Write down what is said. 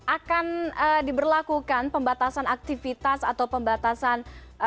akan diberlakukan pembatasan aktivitas atau pembatasan